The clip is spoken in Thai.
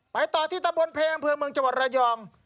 ไปต่อที่ตะบนเพชรเผืองเมืองจังหวัดรายองค์